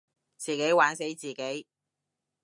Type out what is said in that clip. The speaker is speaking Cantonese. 自己玩死自己